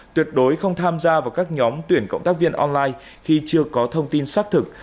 tham gia vào các nhóm tuyển cộng tác viên online khi chưa có thông tin xác thực